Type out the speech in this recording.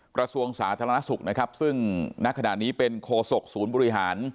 กระทรวงสาธารณสุขซึ่งนะขดานนี้เป็นโคศตรศูนย์บหบรยหา